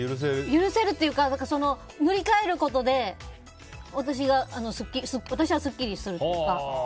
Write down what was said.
許せるっていうか塗り替えることで私はすっきりするっていうか。